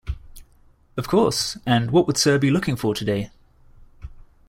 Of course, and what would sir be looking for today?